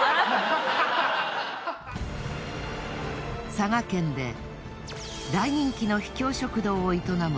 佐賀県で大人気の秘境食堂を営む